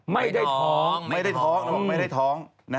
ไม่ได้ท้องไม่ได้ท้องไม่ได้ท้อง